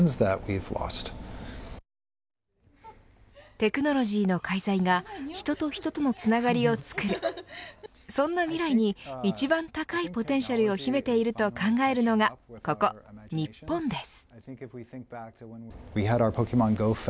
テクノロジーの介在が人と人とのつながりを作るそんなミライに１番高いポテンシャルを秘めていると考えるのがここ、日本です。